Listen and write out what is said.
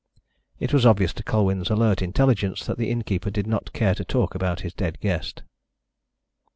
It was obvious to Colwyn's alert intelligence that the innkeeper did not care to talk about his dead guest.